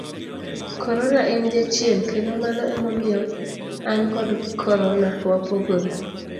corona en Jachien, kendo mano emomiyo an kod corona wapogore